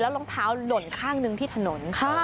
รองเท้าหล่นข้างนึงที่ถนน